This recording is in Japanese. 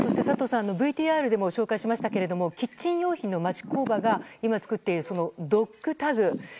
佐藤さん、ＶＴＲでも紹介しましたけどキッチン用品の町工場が今作っているドッグタグ。